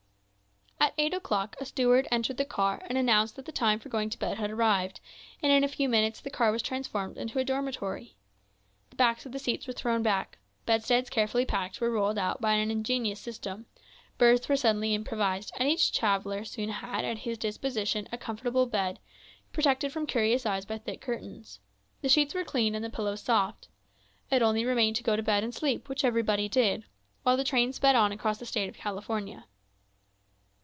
At eight o'clock a steward entered the car and announced that the time for going to bed had arrived; and in a few minutes the car was transformed into a dormitory. The backs of the seats were thrown back, bedsteads carefully packed were rolled out by an ingenious system, berths were suddenly improvised, and each traveller had soon at his disposition a comfortable bed, protected from curious eyes by thick curtains. The sheets were clean and the pillows soft. It only remained to go to bed and sleep which everybody did—while the train sped on across the State of California.